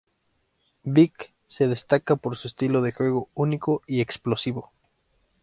Vick se destaca por su estilo de juego único y explosivo.